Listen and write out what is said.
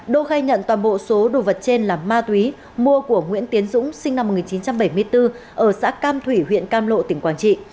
đô khai nhận toàn bộ số đồ vật trên là ma túy mua của nguyễn tiến dũng sinh năm một nghìn chín trăm bảy mươi bốn ở xã cam thủy huyện cam lộ tỉnh quảng trị